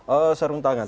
oh sarung tangan